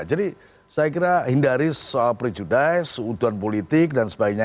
jadi saya kira hindari soal prejudice seutuan politik dan sebagainya